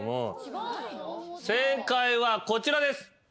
正解はこちらです。